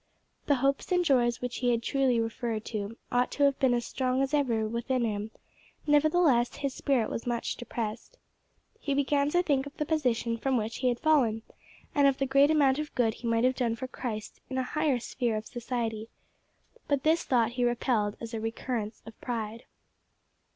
The hopes and joys which he had truly referred to ought to have been as strong as ever within him, nevertheless his spirit was much depressed. He began to think of the position from which he had fallen, and of the great amount of good he might have done for Christ in a higher sphere of society but this thought he repelled as a recurrence of pride.